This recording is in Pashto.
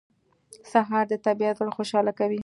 سهار د طبیعت زړه خوشاله کوي.